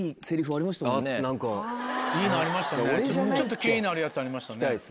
ちょっと気になるやつありましたね。